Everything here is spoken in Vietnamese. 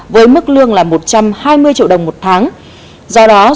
với mức lương là một trăm hai mươi triệu đồng một tháng do đó số tiền thu lợi bất chính là bốn hai tỷ đồng